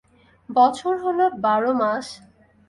বছর হলো বার মাস।